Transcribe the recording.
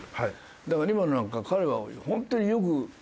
だから今のなんか彼はホントによく。